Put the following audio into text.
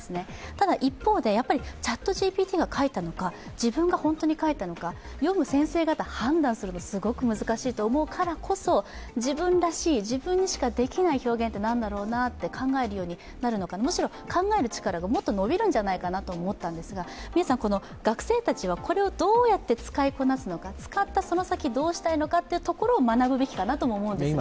ただ一方で、やっぱりＣｈａｔＧＰＴが書いたのか、自分が本当に書いたのか、読む先生方が判断するのがすごく難しいと思うからこそ、自分らしい、自分にしかできない表現って何だろうなって考える、むしろ考える力がもっと伸びるんじゃないかなと思ったんですが学生たちはこれをどうやって使いこなすのか、使ったその先、どうしたいのかってことを学ぶべきかなと思うんですが。